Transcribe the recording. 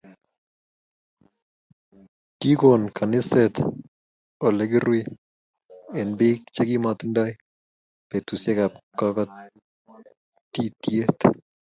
Kikon kaniset olekirui eng biik chi kimokotindoi betusiek ab kaititiet